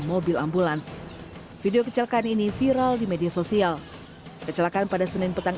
mobil ambulans video kecelakaan ini viral di media sosial kecelakaan pada senin petang